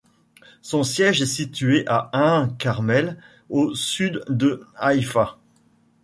Son siège est situé à Ein Carmel, au sud de Haïfa.